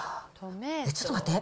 ちょっと待って。